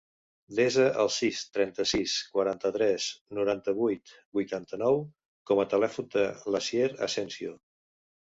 Desa el sis, trenta-sis, quaranta-tres, noranta-vuit, vuitanta-nou com a telèfon de l'Asier Asensio.